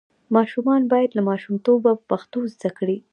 ماشومان باید له ماشومتوبه پښتو زده کړي.